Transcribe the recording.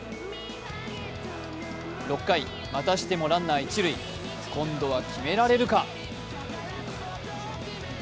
６回、またしてもランナー一塁。今度は決められるか。